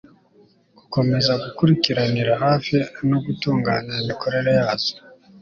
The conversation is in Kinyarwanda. gukomeza gukurikiranira hafi no gutunganya imikorere yazo